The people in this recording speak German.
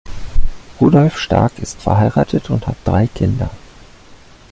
Rudolf Stark ist verheiratet und hat drei Kinder.